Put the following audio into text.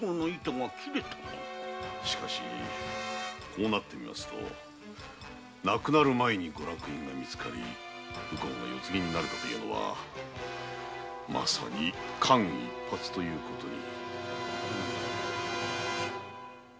こうなってみますと亡くなる前にご落胤がみつかり右近が世継ぎになれたというのはまさに間一髪ということに。